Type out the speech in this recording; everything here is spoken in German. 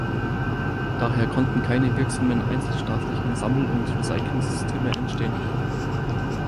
Daher konnten keine wirksamen einzelstaatlichen Sammel- und Recyclingsysteme entstehen.